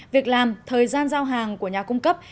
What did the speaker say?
việc làm thời gian giao hàng của nhà cung cấp